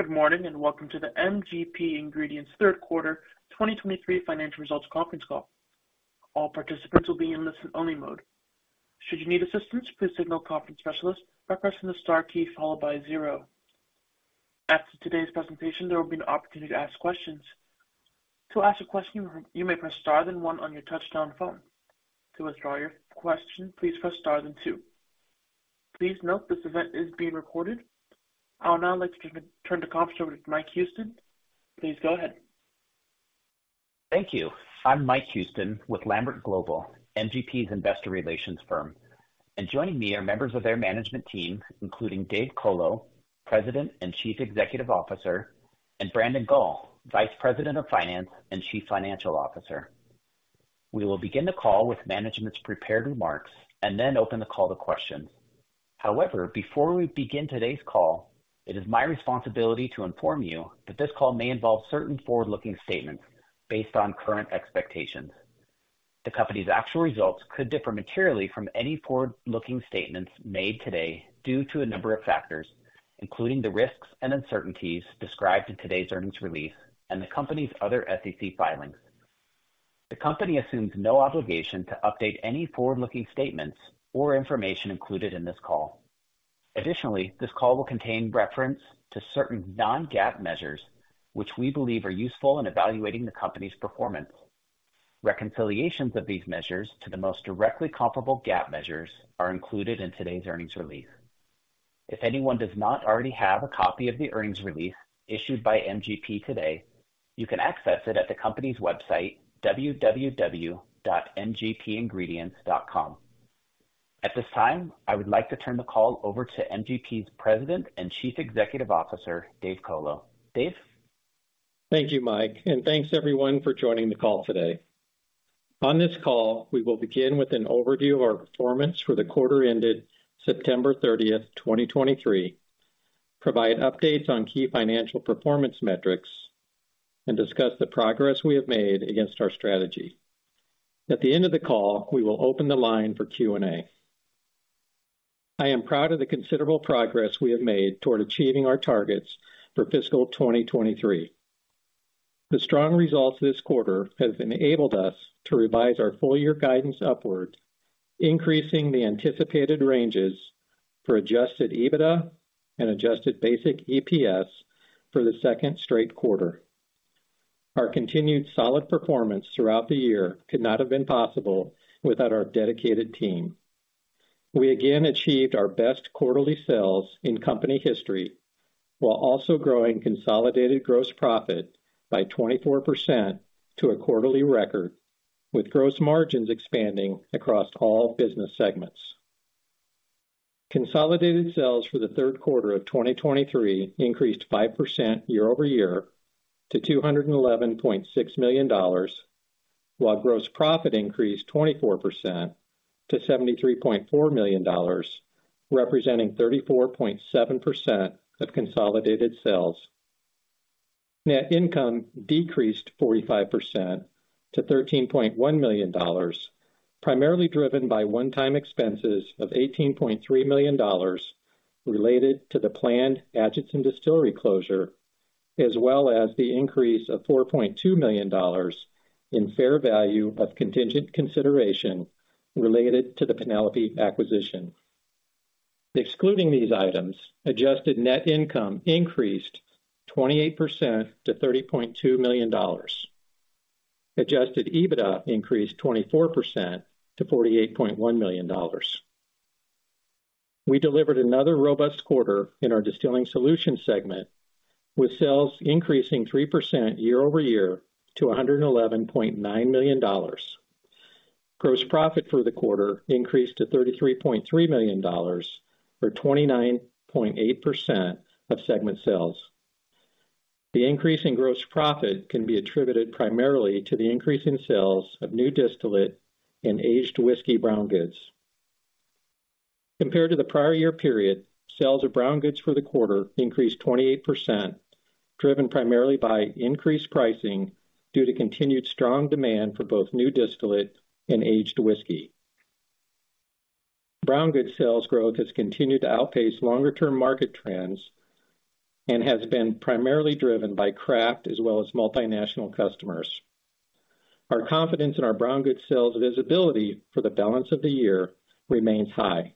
Good morning, and welcome to the MGP Ingredients third quarter 2023 financial results conference call. All participants will be in listen-only mode. Should you need assistance, please signal the conference specialist by pressing the star key followed by zero. After today's presentation, there will be an opportunity to ask questions. To ask a question, you may press star then one on your touchtone phone. To withdraw your question, please press star then two. Please note, this event is being recorded. I'll now like to turn the conference over to Mike Houston. Please go ahead. Thank you. I'm Mike Houston with Lambert Global, MGP's Investor Relations firm, and joining me are members of their management team, including Dave Colo, President and Chief Executive Officer, and Brandon Gall, Vice President of Finance and Chief Financial Officer. We will begin the call with management's prepared remarks and then open the call to questions. However, before we begin today's call, it is my responsibility to inform you that this call may involve certain forward-looking statements based on current expectations. The company's actual results could differ materially from any forward-looking statements made today due to a number of factors, including the risks and uncertainties described in today's earnings release and the company's other SEC filings. The company assumes no obligation to update any forward-looking statements or information included in this call. Additionally, this call will contain reference to certain non-GAAP measures, which we believe are useful in evaluating the company's performance. Reconciliations of these measures to the most directly comparable GAAP measures are included in today's earnings release. If anyone does not already have a copy of the earnings release issued by MGP today, you can access it at the company's website, www.mgpingredients.com. At this time, I would like to turn the call over to MGP's President and Chief Executive Officer, Dave Colo. Dave? Thank you, Mike, and thanks everyone for joining the call today. On this call, we will begin with an overview of our performance for the quarter ended September 30, 2023, provide updates on key financial performance metrics, and discuss the progress we have made against our strategy. At the end of the call, we will open the line for Q&A. I am proud of the considerable progress we have made toward achieving our targets for fiscal 2023. The strong results this quarter have enabled us to revise our full year guidance upward, increasing the anticipated ranges for Adjusted EBITDA and adjusted basic EPS for the second straight quarter. Our continued solid performance throughout the year could not have been possible without our dedicated team. We again achieved our best quarterly sales in company history, while also growing consolidated gross profit by 24% to a quarterly record, with gross margins expanding across all business segments. Consolidated sales for the third quarter of 2023 increased 5% year-over-year to $211.6 million, while gross profit increased 24% to $73.4 million, representing 34.7% of consolidated sales. Net income decreased 45% to $13.1 million, primarily driven by one-time expenses of $18.3 million related to the planned Atchison Distillery closure, as well as the increase of $4.2 million in fair value of contingent consideration related to the Penelope acquisition. Excluding these items, adjusted net income increased 28% to $30.2 million. Adjusted EBITDA increased 24% to $48.1 million. We delivered another robust quarter in our Distilling Solutions segment, with sales increasing 3% year-over-year to $111.9 million. Gross profit for the quarter increased to $33.3 million, or 29.8% of segment sales. The increase in gross profit can be attributed primarily to the increase in sales of new distillate and aged whiskey brown goods. Compared to the prior year period, sales of brown goods for the quarter increased 28%, driven primarily by increased pricing due to continued strong demand for both new distillate and aged whiskey. Brown goods sales growth has continued to outpace longer-term market trends and has been primarily driven by craft as well as multinational customers. Our confidence in our brown goods sales visibility for the balance of the year remains high.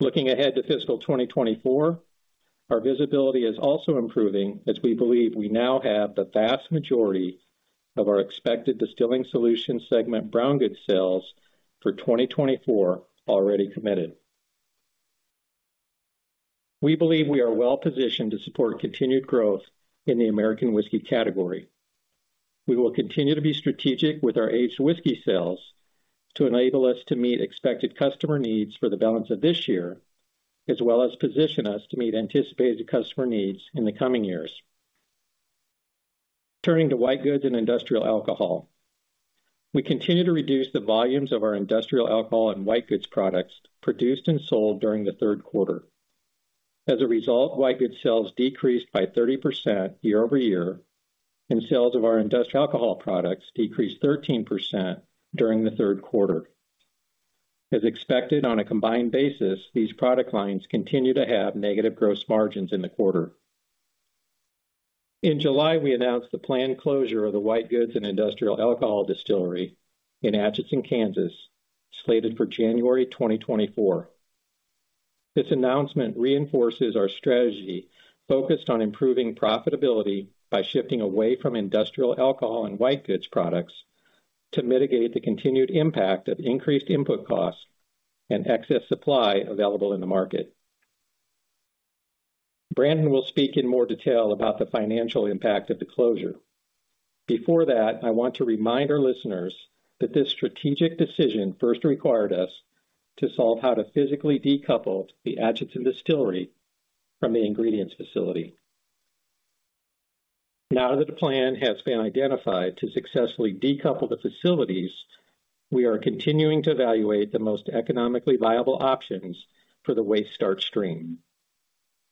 Looking ahead to fiscal 2024, our visibility is also improving, as we believe we now have the vast majority of our expected Distilling Solutions segment brown goods sales for 2024 already committed. We believe we are well positioned to support continued growth in the American whiskey category. We will continue to be strategic with our aged whiskey sales to enable us to meet expected customer needs for the balance of this year, as well as position us to meet anticipated customer needs in the coming years. Turning to white goods and industrial alcohol: We continue to reduce the volumes of our industrial alcohol and white goods products produced and sold during the third quarter. As a result, white goods sales decreased by 30% year-over-year, and sales of our industrial alcohol products decreased 13% during the third quarter. As expected, on a combined basis, these product lines continue to have negative gross margins in the quarter. In July, we announced the planned closure of the white goods and industrial alcohol distillery in Atchison, Kansas, slated for January 2024. This announcement reinforces our strategy focused on improving profitability by shifting away from industrial alcohol and white goods products to mitigate the continued impact of increased input costs and excess supply available in the market. Brandon will speak in more detail about the financial impact of the closure. Before that, I want to remind our listeners that this strategic decision first required us to solve how to physically decouple the Atchison Distillery from the ingredients facility. Now that a plan has been identified to successfully decouple the facilities, we are continuing to evaluate the most economically viable options for the waste starch stream.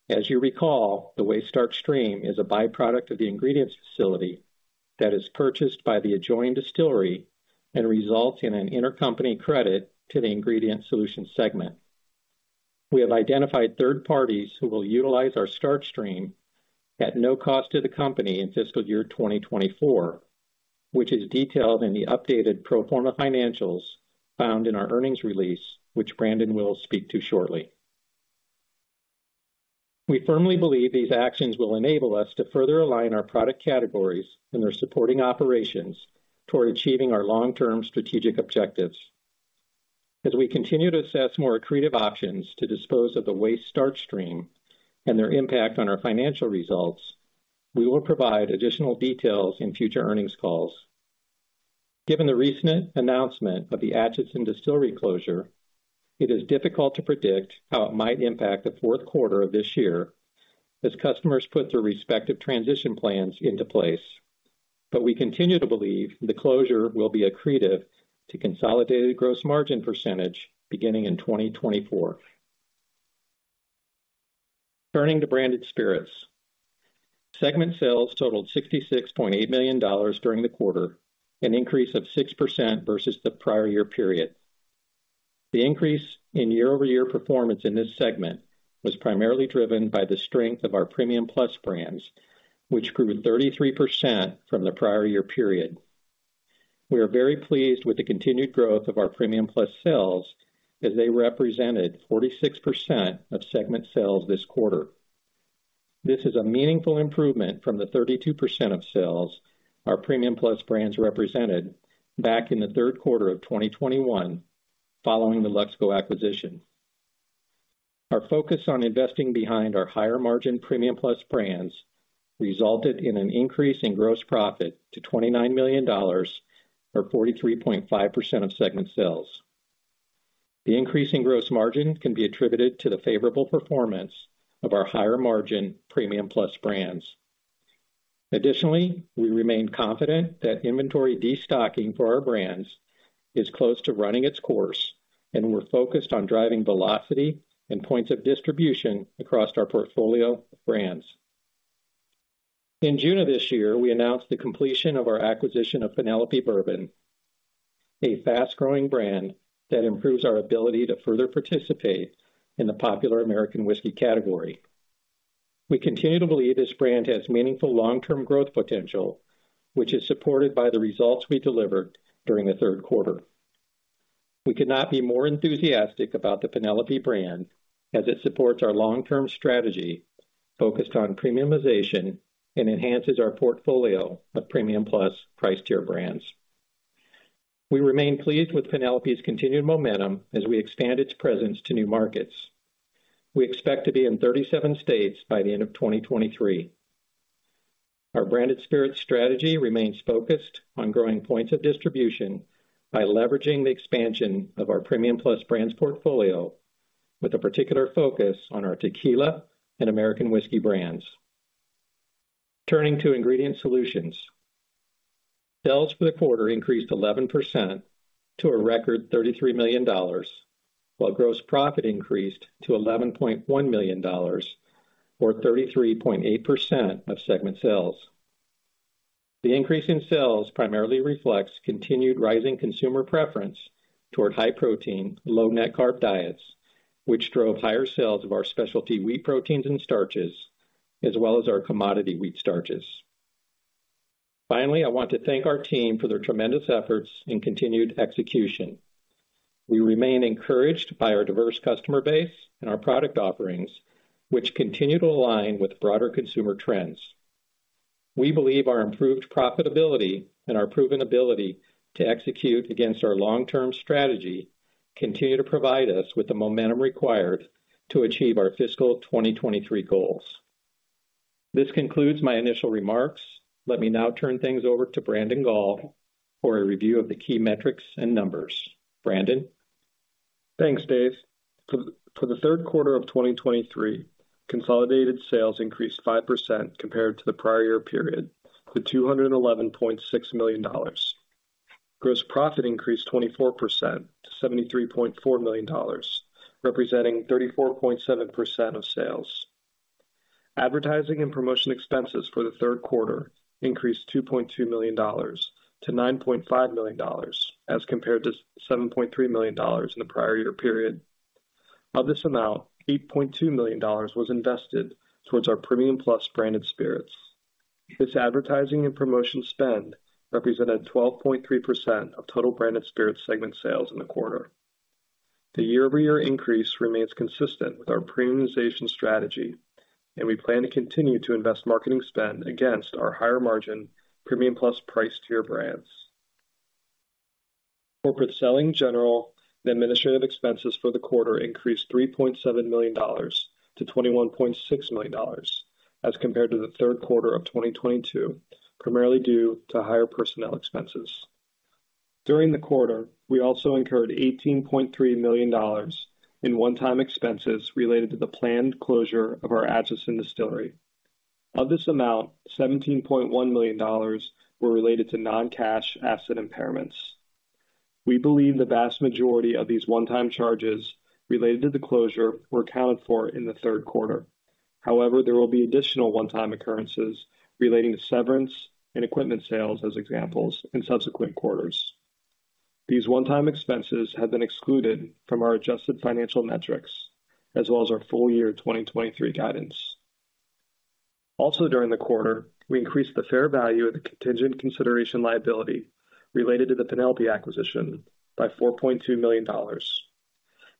As you recall, the waste starch stream is a byproduct of the ingredients facility that is purchased by the adjoining distillery and results in an intercompany credit to the Ingredient Solutions segment. We have identified third parties who will utilize our starch stream at no cost to the company in fiscal year 2024, which is detailed in the updated pro forma financials found in our earnings release, which Brandon will speak to shortly. We firmly believe these actions will enable us to further align our product categories and their supporting operations toward achieving our long-term strategic objectives. As we continue to assess more accretive options to dispose of the waste starch stream and their impact on our financial results, we will provide additional details in future earnings calls. Given the recent announcement of the Atchison Distillery closure, it is difficult to predict how it might impact the fourth quarter of this year as customers put their respective transition plans into place. But we continue to believe the closure will be accretive to consolidated gross margin percentage beginning in 2024. Turning to Branded Spirits. Segment sales totaled $66.8 million during the quarter, an increase of 6% versus the prior year period. The increase in year-over-year performance in this segment was primarily driven by the strength of our Premium Plus brands, which grew 33% from the prior year period. We are very pleased with the continued growth of our Premium Plus sales, as they represented 46% of segment sales this quarter. This is a meaningful improvement from the 32% of sales our Premium Plus brands represented back in the third quarter of 2021, following the Luxco acquisition. Our focus on investing behind our higher margin Premium Plus brands resulted in an increase in gross profit to $29 million, or 43.5% of segment sales. The increase in gross margin can be attributed to the favorable performance of our higher margin Premium Plus brands. Additionally, we remain confident that inventory destocking for our brands is close to running its course, and we're focused on driving velocity and points of distribution across our portfolio of brands. In June of this year, we announced the completion of our acquisition of Penelope Bourbon, a fast-growing brand that improves our ability to further participate in the popular American whiskey category. We continue to believe this brand has meaningful long-term growth potential, which is supported by the results we delivered during the third quarter. We could not be more enthusiastic about the Penelope brand, as it supports our long-term strategy focused on premiumization and enhances our portfolio of Premium Plus price tier brands. We remain pleased with Penelope's continued momentum as we expand its presence to new markets. We expect to be in 37 states by the end of 2023. Our Branded Spirits strategy remains focused on growing points of distribution by leveraging the expansion of our Premium Plus brands portfolio, with a particular focus on our tequila and American whiskey brands. Turning to ingredient solutions. Sales for the quarter increased 11% to a record $33 million, while gross profit increased to $11.1 million, or 33.8% of segment sales. The increase in sales primarily reflects continued rising consumer preference toward high-protein, low-net carb diets, which drove higher sales of our specialty wheat proteins and starches, as well as our commodity wheat starches. Finally, I want to thank our team for their tremendous efforts and continued execution. We remain encouraged by our diverse customer base and our product offerings, which continue to align with broader consumer trends. We believe our improved profitability and our proven ability to execute against our long-term strategy continue to provide us with the momentum required to achieve our fiscal 2023 goals. This concludes my initial remarks. Let me now turn things over to Brandon Gall for a review of the key metrics and numbers. Brandon? Thanks, Dave. For the third quarter of 2023, consolidated sales increased 5% compared to the prior year period, to $211.6 million. Gross profit increased 24% to $73.4 million, representing 34.7% of sales. Advertising and promotion expenses for the third quarter increased $2.2 million to $9.5 million, as compared to $7.3 million in the prior year period. Of this amount, $8.2 million was invested towards our Premium Plus Branded Spirits. This advertising and promotion spend represented 12.3% of total Branded Spirits segment sales in the quarter. The year-over-year increase remains consistent with our premiumization strategy, and we plan to continue to invest marketing spend against our higher margin Premium Plus price tier brands. Corporate selling, general and administrative expenses for the quarter increased $3.7 million to $21.6 million, as compared to the third quarter of 2022, primarily due to higher personnel expenses. During the quarter, we also incurred $18.3 million in one-time expenses related to the planned closure of our Atchison Distillery. Of this amount, $17.1 million were related to non-cash asset impairments. We believe the vast majority of these one-time charges related to the closure were accounted for in the third quarter. However, there will be additional one-time occurrences relating to severance and equipment sales, as examples, in subsequent quarters. These one-time expenses have been excluded from our adjusted financial metrics, as well as our full year 2023 guidance. Also, during the quarter, we increased the fair value of the contingent consideration liability related to the Penelope acquisition by $4.2 million.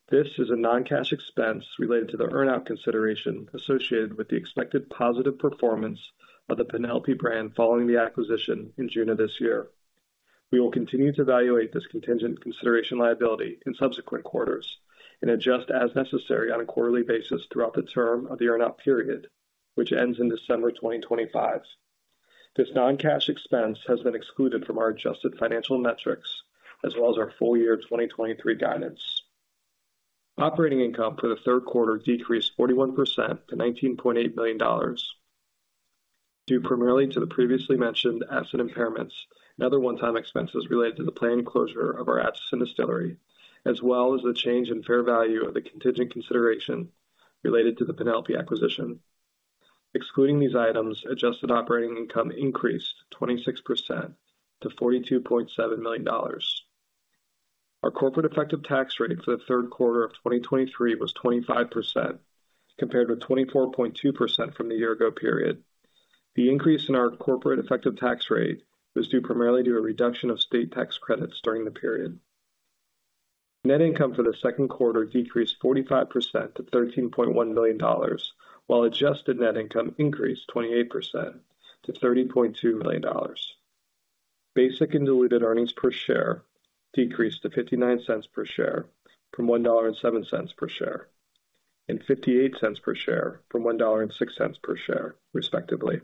This is a non-cash expense related to the earnout consideration associated with the expected positive performance of the Penelope brand following the acquisition in June of this year. We will continue to evaluate this contingent consideration liability in subsequent quarters and adjust as necessary on a quarterly basis throughout the term of the earnout period, which ends in December 2025. This non-cash expense has been excluded from our adjusted financial metrics, as well as our full year 2023 guidance. Operating income for the third quarter decreased 41% to $19.8 million, due primarily to the previously mentioned asset impairments and other one-time expenses related to the planned closure of our Atchison Distillery, as well as the change in fair value of the contingent consideration related to the Penelope acquisition. Excluding these items, adjusted operating income increased 26% to $42.7 million. Our corporate effective tax rate for the third quarter of 2023 was 25%, compared with 24.2% from the year ago period. The increase in our corporate effective tax rate was due primarily to a reduction of state tax credits during the period. Net income for the second quarter decreased 45% to $13.1 million, while adjusted net income increased 28% to $30.2 million. Basic and diluted earnings per share decreased to $0.59 per share from $1.07 per share, and $0.58 per share from $1.06 per share, respectively.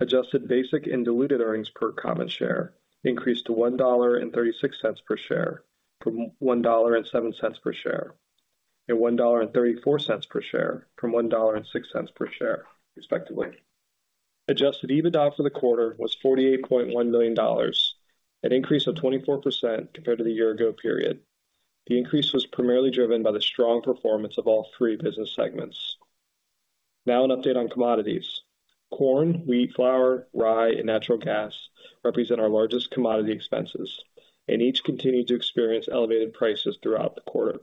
Adjusted basic and diluted earnings per common share increased to $1.36 per share from $1.07 per share, and $1.34 per share from $1.06 per share, respectively. Adjusted EBITDA for the quarter was $48.1 million, an increase of 24% compared to the year ago period. The increase was primarily driven by the strong performance of all three business segments. Now an update on commodities. Corn, wheat, flour, rye, and natural gas represent our largest commodity expenses and each continued to experience elevated prices throughout the quarter.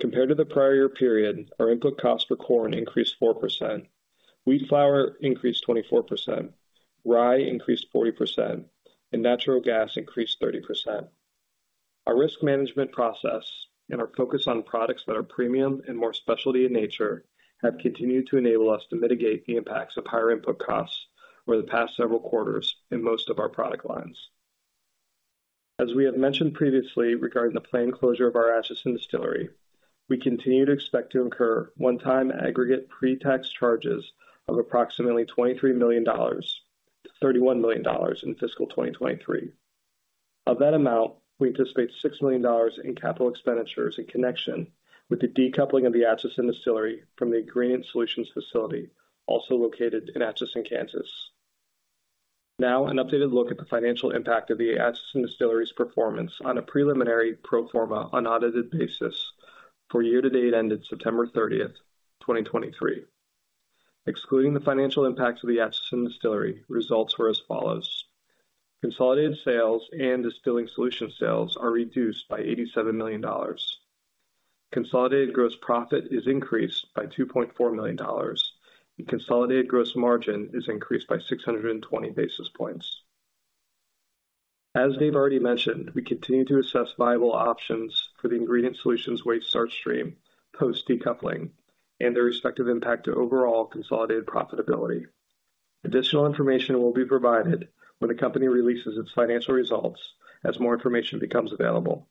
Compared to the prior year period, our input cost for corn increased 4%, wheat flour increased 24%, rye increased 40%, and natural gas increased 30%. Our risk management process and our focus on products that are premium and more specialty in nature have continued to enable us to mitigate the impacts of higher input costs over the past several quarters in most of our product lines. As we have mentioned previously regarding the planned closure of our Atchison Distillery, we continue to expect to incur one-time aggregate pre-tax charges of approximately $23 million-$31 million in fiscal 2023. Of that amount, we anticipate $6 million in capital expenditures in connection with the decoupling of the Atchison Distillery from the Ingredient Solutions facility, also located in Atchison, Kansas. Now, an updated look at the financial impact of the Atchison Distillery's performance on a preliminary pro forma unaudited basis for year-to-date ended September 30, 2023. Excluding the financial impact of the Atchison Distillery, results were as follows: consolidated sales and Distilling Solutions sales are reduced by $87 million. Consolidated gross profit is increased by $2.4 million, and consolidated gross margin is increased by 620 basis points. As Dave already mentioned, we continue to assess viable options for the Ingredient Solutions waste starch stream, post decoupling, and their respective impact to overall consolidated profitability. Additional information will be provided when the company releases its financial results as more information becomes available.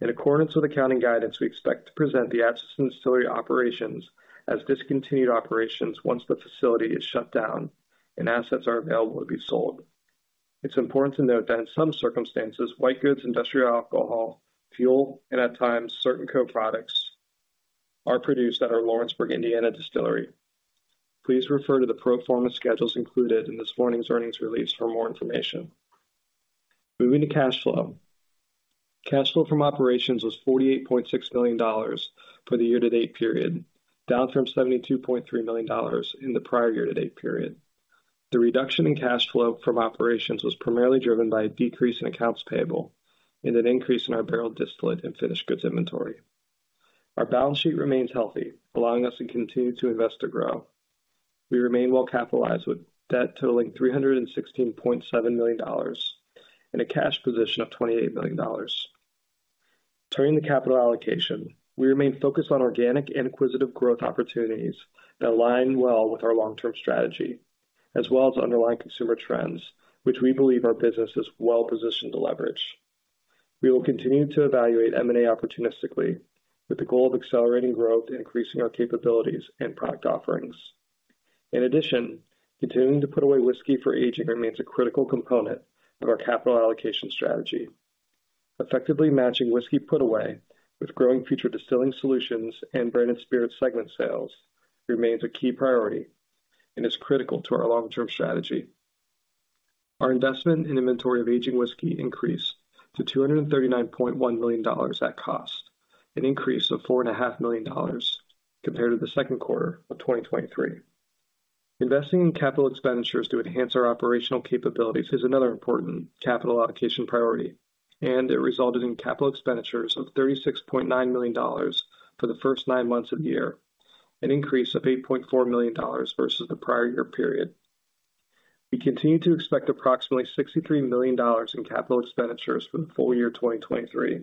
In accordance with accounting guidance, we expect to present the Atchison Distillery operations as discontinued operations once the facility is shut down and assets are available to be sold. It's important to note that in some circumstances, white goods, industrial alcohol, fuel, and at times certain co-products are produced at our Lawrenceburg, Indiana distillery. Please refer to the pro forma schedules included in this morning's earnings release for more information. Moving to cash flow. Cash flow from operations was $48.6 million for the year-to-date period, down from $72.3 million in the prior year-to-date period. The reduction in cash flow from operations was primarily driven by a decrease in accounts payable and an increase in our barrel distillate and finished goods inventory. Our balance sheet remains healthy, allowing us to continue to invest to grow. We remain well capitalized, with debt totaling $316.7 million and a cash position of $28 million. Turning to capital allocation, we remain focused on organic acquisitive growth opportunities that align well with our long-term strategy, as well as underlying consumer trends, which we believe our business is well positioned to leverage. We will continue to evaluate M&A opportunistically, with the goal of accelerating growth and increasing our capabilities and product offerings. In addition, continuing to put away whiskey for aging remains a critical component of our capital allocation strategy. Effectively matching whiskey put away with growing future Distilling Solutions and Branded Spirits segment sales remains a key priority and is critical to our long-term strategy. Our investment in inventory of aging whiskey increased to $239.1 million at cost, an increase of $4.5 million compared to the second quarter of 2023. Investing in capital expenditures to enhance our operational capabilities is another important capital allocation priority, and it resulted in capital expenditures of $36.9 million for the first nine months of the year, an increase of $8.4 million versus the prior year period. We continue to expect approximately $63 million in capital expenditures for the full year 2023,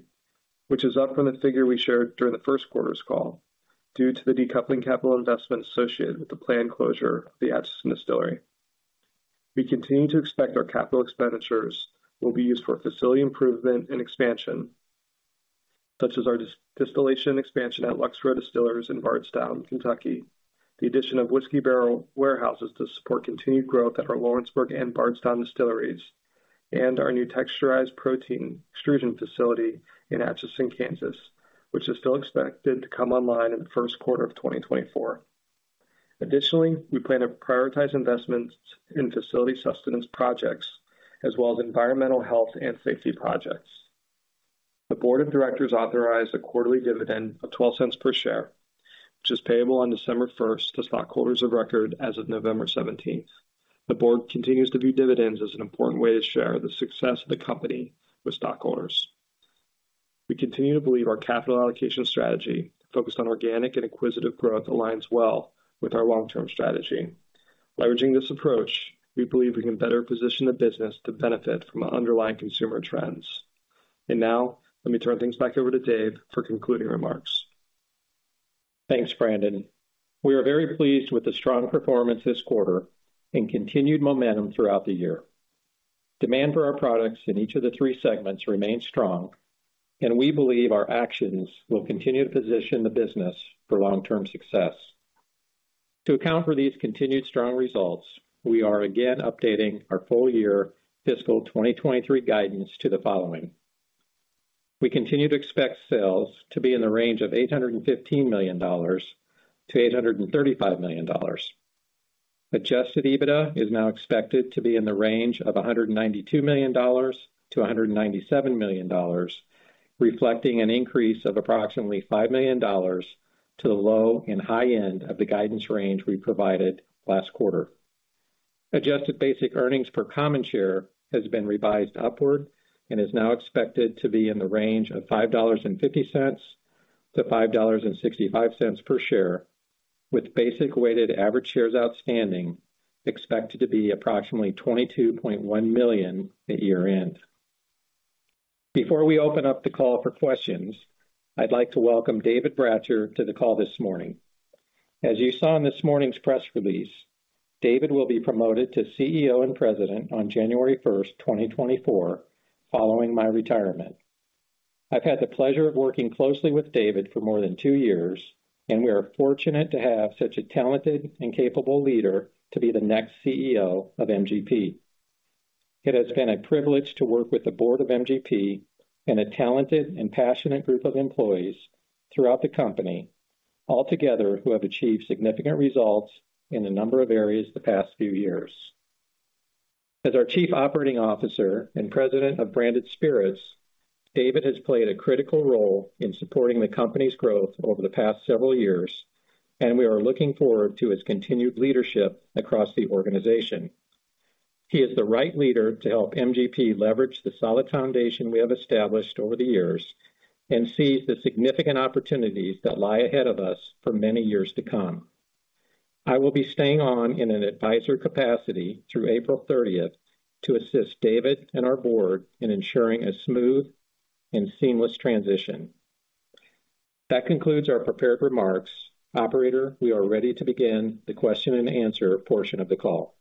which is up from the figure we shared during the first quarter's call, due to the decoupling capital investment associated with the planned closure of the Atchison Distillery. We continue to expect our capital expenditures will be used for facility improvement and expansion, such as our distillation expansion at Lux Row Distillers in Bardstown, Kentucky. The addition of whiskey barrel warehouses to support continued growth at our Lawrenceburg and Bardstown distilleries, and our new texturized protein extrusion facility in Atchison, Kansas, which is still expected to come online in the first quarter of 2024. Additionally, we plan to prioritize investments in facility sustenance projects as well as environmental, health, and safety projects. The board of directors authorized a quarterly dividend of $0.12 per share, which is payable on December 1 to stockholders of record as of November 17. The board continues to view dividends as an important way to share the success of the company with stockholders. We continue to believe our capital allocation strategy, focused on organic and acquisitive growth, aligns well with our long-term strategy. Leveraging this approach, we believe we can better position the business to benefit from underlying consumer trends. Now, let me turn things back over to Dave for concluding remarks. Thanks, Brandon. We are very pleased with the strong performance this quarter and continued momentum throughout the year. Demand for our products in each of the three segments remains strong, and we believe our actions will continue to position the business for long-term success. To account for these continued strong results, we are again updating our full year fiscal 2023 guidance to the following. We continue to expect sales to be in the range of $815 million-$835 million. Adjusted EBITDA is now expected to be in the range of $192 million-$197 million, reflecting an increase of approximately $5 million to the low and high end of the guidance range we provided last quarter. Adjusted basic earnings per common share has been revised upward and is now expected to be in the range of $5.50-$5.65 per share, with basic weighted average shares outstanding expected to be approximately 22.1 million at year-end. Before we open up the call for questions, I'd like to welcome David Bratcher to the call this morning. As you saw in this morning's press release, David will be promoted to CEO and President on January 1, 2024, following my retirement. I've had the pleasure of working closely with David for more than two years, and we are fortunate to have such a talented and capable leader to be the next CEO of MGP. It has been a privilege to work with the board of MGP and a talented and passionate group of employees throughout the company, altogether, who have achieved significant results in a number of areas the past few years. As our Chief Operating Officer and President of Branded Spirits, David has played a critical role in supporting the company's growth over the past several years, and we are looking forward to his continued leadership across the organization. He is the right leader to help MGP leverage the solid foundation we have established over the years and sees the significant opportunities that lie ahead of us for many years to come. I will be staying on in an advisor capacity through April thirtieth to assist David and our board in ensuring a smooth and seamless transition. That concludes our prepared remarks. Operator, we are ready to begin the question and answer portion of the call.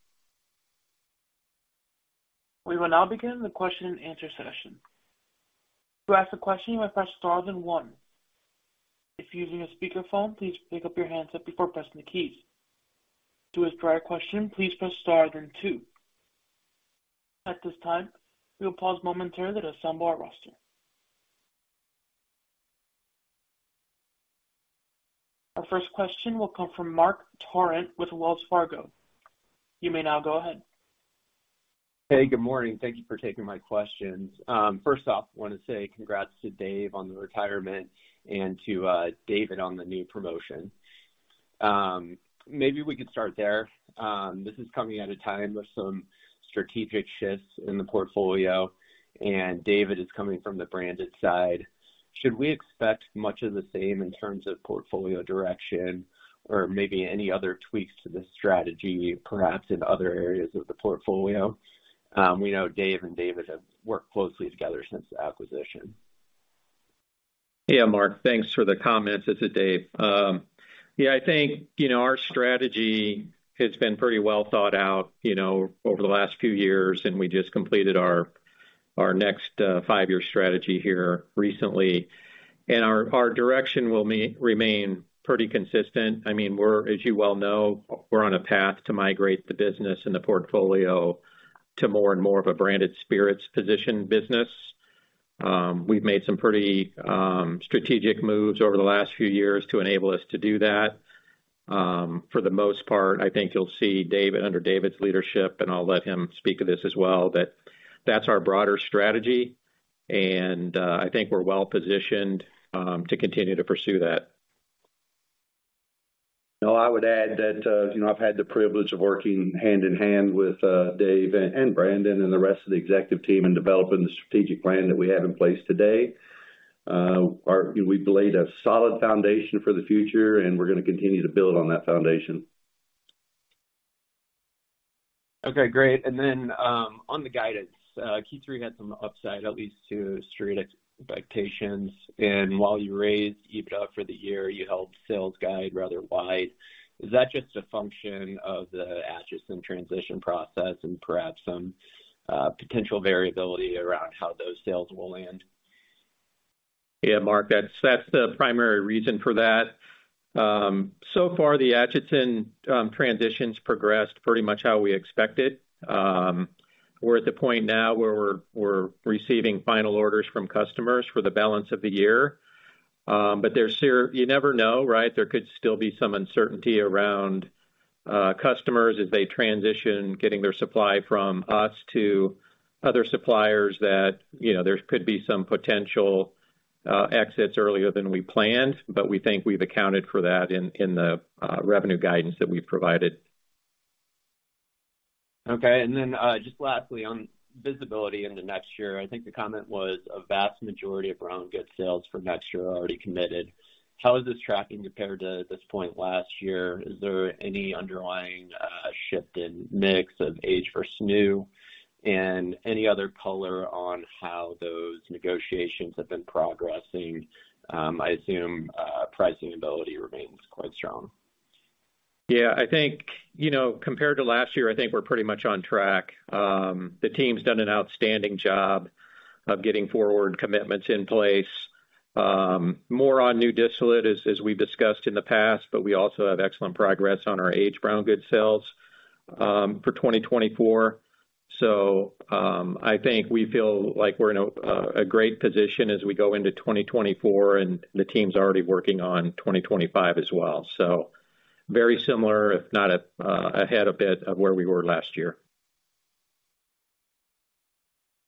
We will now begin the question and answer session. To ask a question, you may press star then one. If you're using a speakerphone, please pick up your handset before pressing the keys. To withdraw your question, please press star then two. At this time, we will pause momentarily to assemble our roster. Our first question will come from Marc Torrente with Wells Fargo. You may now go ahead. Hey, good morning. Thank you for taking my questions. First off, I want to say congrats to Dave on the retirement and to David on the new promotion. Maybe we could start there. This is coming at a time with some strategic shifts in the portfolio, and David is coming from the Branded side. Should we expect much of the same in terms of portfolio direction or maybe any other tweaks to the strategy, perhaps in other areas of the portfolio? We know Dave and David have worked closely together since the acquisition. Yeah, Mark, thanks for the comments. This is Dave. Yeah, I think, you know, our strategy has been pretty well thought out, you know, over the last few years, and we just completed our next five-year strategy here recently. And our direction will remain pretty consistent. I mean, we're, as you well know, we're on a path to migrate the business and the portfolio to more and more of a Branded Spirits positioned business. We've made some pretty strategic moves over the last few years to enable us to do that. For the most part, I think you'll see, Dave, under David's leadership, and I'll let him speak to this as well, that that's our broader strategy, and I think we're well positioned to continue to pursue that. No, I would add that, you know, I've had the privilege of working hand in hand with Dave and Brandon and the rest of the executive team in developing the strategic plan that we have in place today. We've laid a solid foundation for the future, and we're gonna continue to build on that foundation. Okay, great. And then, on the guidance, Q3 had some upside, at least to Street expectations. And while you raised EBITDA for the year, you held sales guide rather wide. Is that just a function of the Atchison transition process and perhaps some potential variability around how those sales will land? Yeah, Mark, that's, that's the primary reason for that. So far, the Atchison transition's progressed pretty much how we expected. We're at the point now where we're, we're receiving final orders from customers for the balance of the year. But there's you never know, right? There could still be some uncertainty around customers as they transition, getting their supply from us to other suppliers that, you know, there could be some potential exits earlier than we planned, but we think we've accounted for that in, in the revenue guidance that we've provided. Okay. And then, just lastly, on visibility into next year, I think the comment was, a vast majority of brown goods sales for next year are already committed. How is this tracking compared to this point last year? Is there any underlying shift in mix of aged versus new? And any other color on how those negotiations have been progressing? I assume pricing ability remains quite strong. Yeah, I think, you know, compared to last year, I think we're pretty much on track. The team's done an outstanding job of getting forward commitments in place. More on new distillate, as we've discussed in the past, but we also have excellent progress on our aged brown goods sales for 2024. So, I think we feel like we're in a great position as we go into 2024, and the team's already working on 2025 as well. So very similar, if not ahead a bit of where we were last year.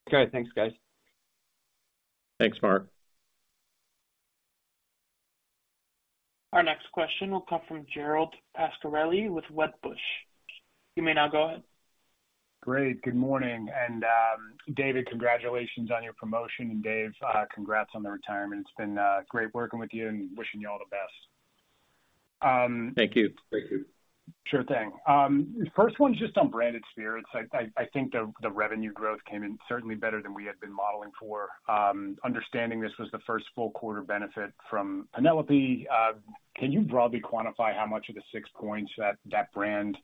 Okay. Thanks, guys. Thanks, Mark. Our next question will come from Gerald Pascarelli with Wedbush. You may now go ahead. Great. Good morning, and David, congratulations on your promotion. And Dave, congrats on the retirement. It's been great working with you and wishing you all the best. Thank you. Thank you. Sure thing. First one's just on Branded Spirits. I think the revenue growth came in certainly better than we had been modeling for. Understanding this was the first full quarter benefit from Penelope, can you broadly quantify how much of the 6 points that brand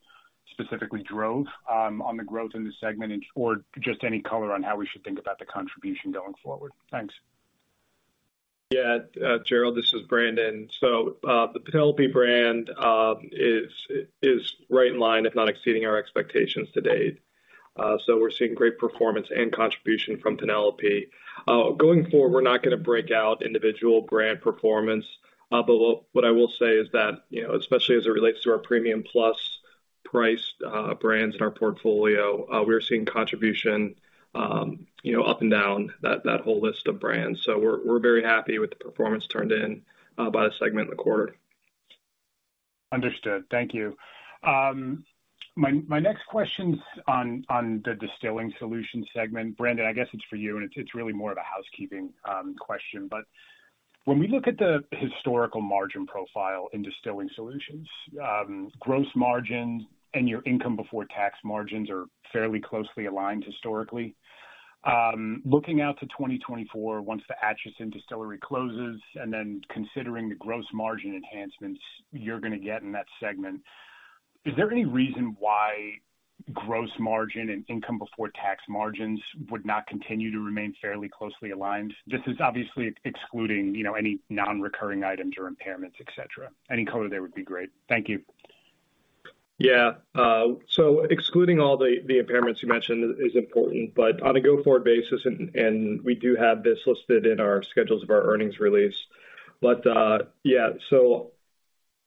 specifically drove on the growth in the segment? Or just any color on how we should think about the contribution going forward? Thanks. Yeah. Gerald, this is Brandon. So, the Penelope brand is right in line, if not exceeding our expectations to date. So we're seeing great performance and contribution from Penelope. Going forward, we're not gonna break out individual brand performance, but what I will say is that, you know, especially as it relates to our premium-plus price brands in our portfolio, we're seeing contribution, you know, up and down that whole list of brands. So we're very happy with the performance turned in by the segment in the quarter. Understood. Thank you. My next question's on the Distilling Solutions segment. Brandon, I guess it's for you, and it's really more of a housekeeping question. But when we look at the historical margin profile in Distilling Solutions, gross margin and your income before tax margins are fairly closely aligned historically. Looking out to 2024, once the Atchison Distillery closes, and then considering the gross margin enhancements you're gonna get in that segment, is there any reason why gross margin and income before tax margins would not continue to remain fairly closely aligned? This is obviously excluding, you know, any non-recurring items or impairments, et cetera. Any color there would be great. Thank you. Yeah, so excluding all the impairments you mentioned is important, but on a go-forward basis, and we do have this listed in our schedules of our earnings release. But, yeah, so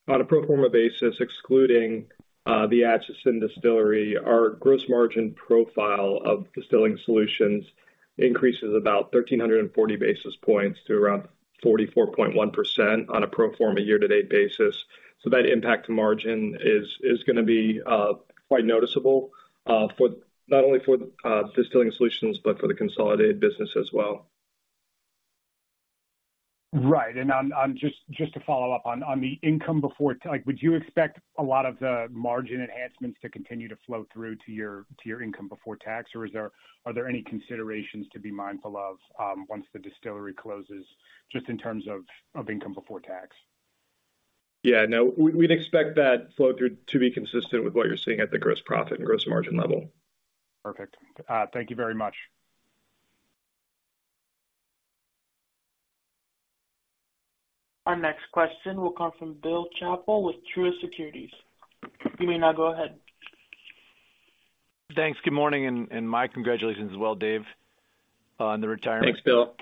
on a pro forma basis, excluding the Atchison Distillery, our gross margin profile of Distilling Solutions increases about 1,340 basis points to around 44.1% on a pro forma year-to-date basis. So that impact to margin is gonna be quite noticeable for not only Distilling Solutions, but for the consolidated business as well. Right. And on, just to follow up, on the income before—like, would you expect a lot of the margin enhancements to continue to flow through to your income before tax? Or is there—are there any considerations to be mindful of, once the distillery closes, just in terms of income before tax? Yeah, no, we, we'd expect that flow through to be consistent with what you're seeing at the gross profit and gross margin level. Perfect. Thank you very much. Our next question will come from Bill Chappell with Truist Securities. You may now go ahead. Thanks. Good morning, and my congratulations as well, Dave, on the retirement. Thanks, Bill.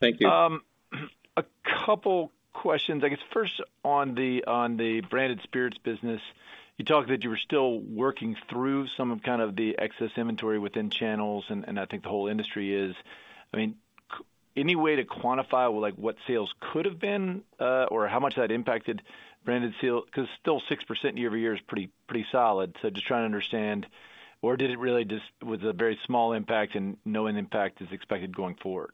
Thank you. A couple questions, I guess first on the, on the Branded Spirits business. You talked that you were still working through some of kind of the excess inventory within channels, and, and I think the whole industry is. I mean, any way to quantify, well, like, what sales could have been, or how much that impacted Branded sales? 'Cause still 6% year-over-year is pretty, pretty solid. So just trying to understand, or did it really just, was a very small impact and no impact is expected going forward?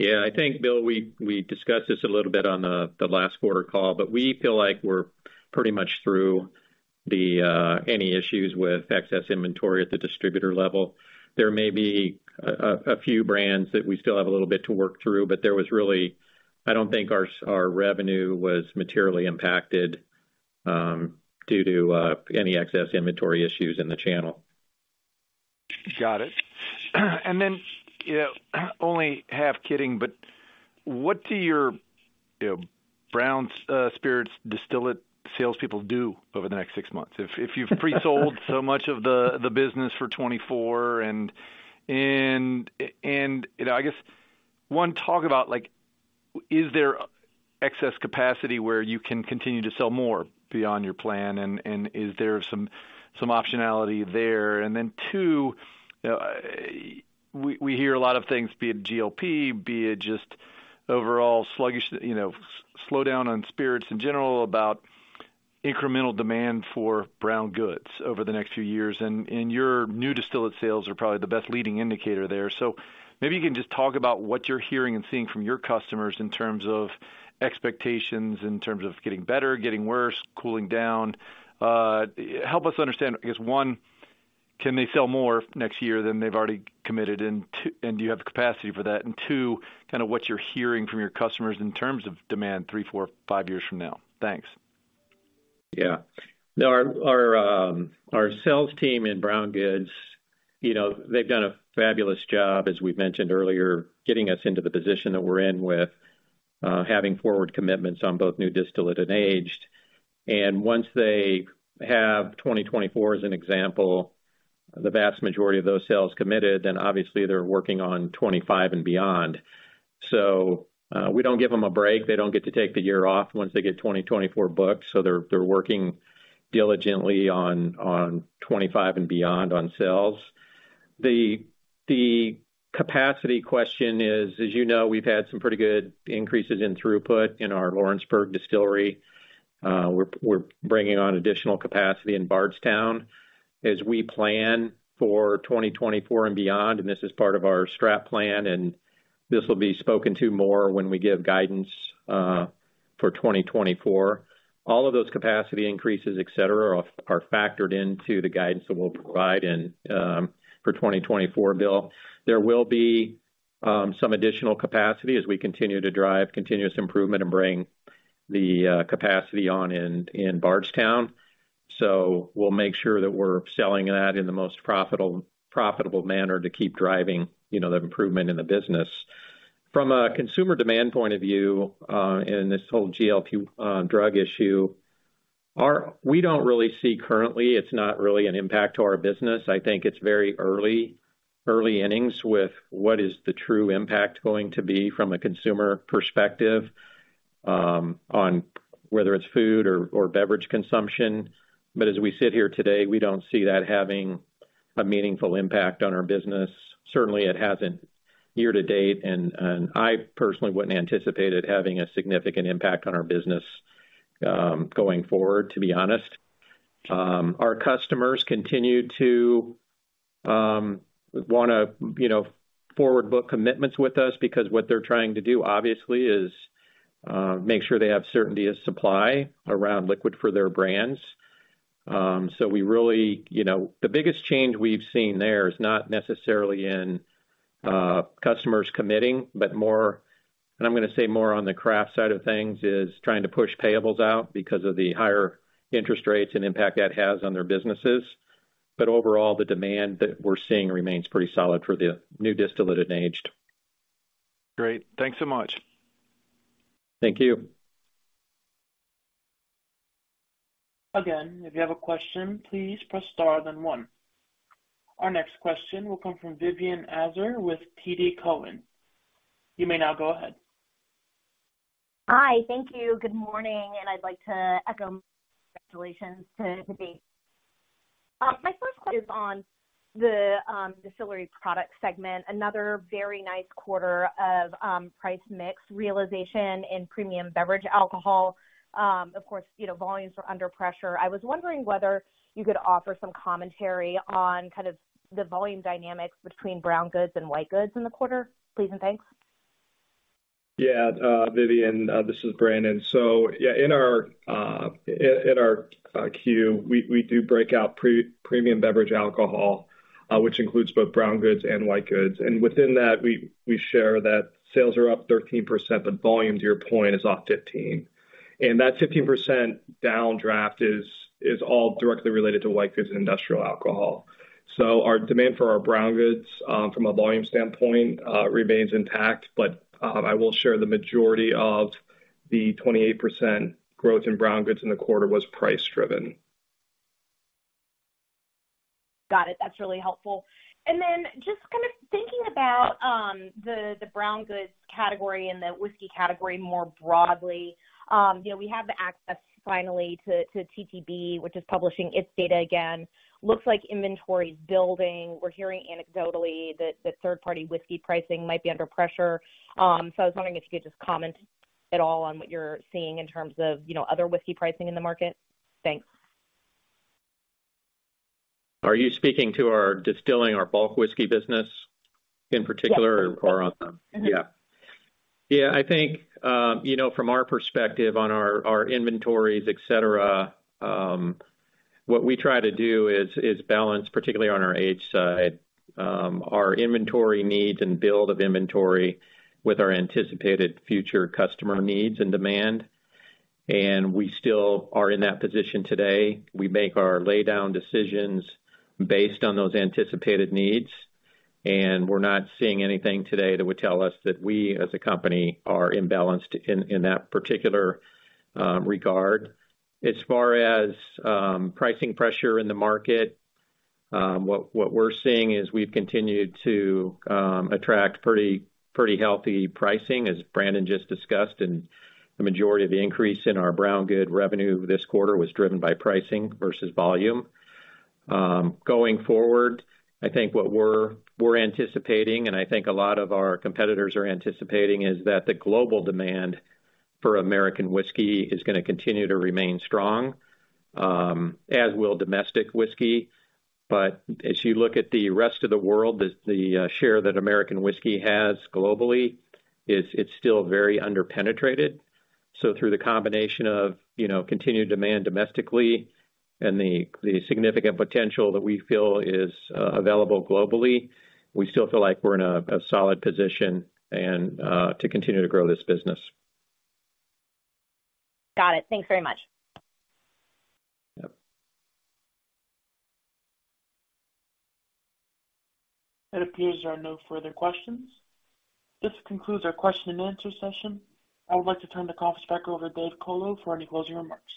Yeah, I think, Bill, we discussed this a little bit on the last quarter call, but we feel like we're pretty much through any issues with excess inventory at the distributor level. There may be a few brands that we still have a little bit to work through, but there was really... I don't think our revenue was materially impacted due to any excess inventory issues in the channel. Got it. And then, you know, only half kidding, but what do your, you know, brown spirits distillate salespeople do over the next six months? If you've pre-sold so much of the business for 2024 and, you know, I guess, one, talk about, like, is there excess capacity where you can continue to sell more beyond your plan, and is there some optionality there? And then, two, we hear a lot of things, be it GLP, be it just overall sluggish, you know, slowdown on spirits in general, about incremental demand for brown goods over the next few years, and your new distillate sales are probably the best leading indicator there. So maybe you can just talk about what you're hearing and seeing from your customers in terms of expectations, in terms of getting better, getting worse, cooling down. Help us understand, I guess, one, can they sell more next year than they've already committed, and do you have the capacity for that? And two, kind of what you're hearing from your customers in terms of demand, three, four, five years from now. Thanks. Yeah. No, our sales team in brown goods, you know, they've done a fabulous job, as we mentioned earlier, getting us into the position that we're in with having forward commitments on both new distillate and aged. And once they have 2024 as an example, the vast majority of those sales committed, then obviously they're working on 2025 and beyond. So, we don't give them a break. They don't get to take the year off once they get 2024 booked, so they're working diligently on 2025 and beyond on sales. The capacity question is, as you know, we've had some pretty good increases in throughput in our Lawrenceburg Distillery. We're bringing on additional capacity in Bardstown as we plan for 2024 and beyond, and this is part of our strategic plan, and this will be spoken to more when we give guidance for 2024. All of those capacity increases, et cetera, are factored into the guidance that we'll provide for 2024, Bill. There will be some additional capacity as we continue to drive continuous improvement and bring the capacity on in Bardstown. So we'll make sure that we're selling that in the most profitable manner to keep driving, you know, the improvement in the business. From a consumer demand point of view, in this whole GLP drug issue, we don't really see currently, it's not really an impact to our business. I think it's very early innings with what the true impact is going to be from a consumer perspective on whether it's food or beverage consumption. But as we sit here today, we don't see that having a meaningful impact on our business. Certainly, it hasn't year to date, and I personally wouldn't anticipate it having a significant impact on our business going forward, to be honest. Our customers continue to wanna, you know, forward book commitments with us, because what they're trying to do, obviously, is make sure they have certainty of supply around liquid for their brands. So we really... You know, the biggest change we've seen there is not necessarily in customers committing, but more, and I'm gonna say more on the craft side of things, is trying to push payables out because of the higher interest rates and impact that has on their businesses. But overall, the demand that we're seeing remains pretty solid for the new distillate and aged. Great. Thanks so much. Thank you. Again, if you have a question, please press star, then one. Our next question will come from Vivien Azer with TD Cowen. You may now go ahead. Hi. Thank you. Good morning, and I'd like to echo congratulations to Dave. My first question is on the Distillery Product segment, another very nice quarter of price mix realization in premium beverage alcohol. Of course, you know, volumes are under pressure. I was wondering whether you could offer some commentary on kind of the volume dynamics between Brown goods and White goods in the quarter, please and thanks. Yeah, Vivien, this is Brandon. So yeah, in our Q, we do break out premium beverage alcohol, which includes both brown goods and white goods. And within that, we share that sales are up 13%, but volume, to your point, is off 15%. And that 15% downdraft is all directly related to white goods and industrial alcohol. So our demand for our brown goods, from a volume standpoint, remains intact, but I will share the majority of the 28% growth in brown goods in the quarter was price driven. Got it. That's really helpful. And then just kind of thinking about the brown goods category and the whiskey category more broadly, you know, we have the access finally to TTB, which is publishing its data again. Looks like inventory is building. We're hearing anecdotally that third-party whiskey pricing might be under pressure. So I was wondering if you could just comment at all on what you're seeing in terms of, you know, other whiskey pricing in the market. Thanks. Are you speaking to our Distilling our Bulk Whiskey business in particular? Yes. Or on... Yeah. Yeah, I think, you know, from our perspective on our inventories, et cetera, what we try to do is balance, particularly on our age side, our inventory needs and build of inventory with our anticipated future customer needs and demand. We still are in that position today. We make our laydown decisions based on those anticipated needs, and we're not seeing anything today that would tell us that we, as a company, are imbalanced in that particular regard. As far as pricing pressure in the market, what we're seeing is we've continued to attract pretty healthy pricing, as Brandon just discussed, and the majority of the increase in our brown goods revenue this quarter was driven by pricing versus volume. Going forward, I think what we're anticipating, and I think a lot of our competitors are anticipating, is that the global demand for American whiskey is gonna continue to remain strong, as will domestic whiskey. But as you look at the rest of the world, the share that American whiskey has globally, it's still very underpenetrated. So through the combination of, you know, continued demand domestically and the significant potential that we feel is available globally, we still feel like we're in a solid position and to continue to grow this business. Got it. Thanks very much. Yep. It appears there are no further questions. This concludes our question and answer session. I would like to turn the conference back over to Dave Colo for any closing remarks.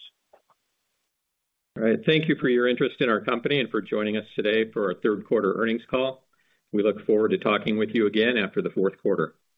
All right. Thank you for your interest in our company and for joining us today for our third quarter earnings call. We look forward to talking with you again after the fourth quarter.